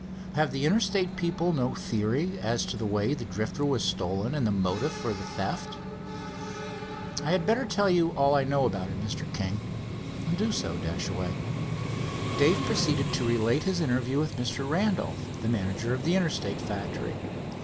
Have the Interstate people no theory as to the way the Drifter was stolen, and the motive for the theft?" "I had better tell you all I know about it, Mr. King." "Do so, Dashaway." Dave proceeded to relate his interview with Mr. Randolph, the manager of the Interstate factory.